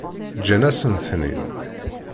Ǧǧan-asent-ten-id?